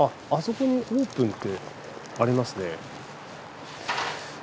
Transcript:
あそこにオープンってありますね。